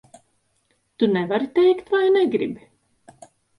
Tu nevari teikt vai negribi?